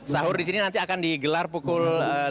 sahur di sini nanti akan digelar pukul